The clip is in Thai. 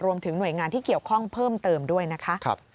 รวมถึงหน่วยงานที่เกี่ยวข้องเพิ่มเติมด้วยนะคะ